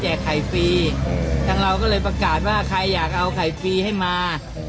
จากคนนี้จากแผ่นนกปราบงานถามก้าว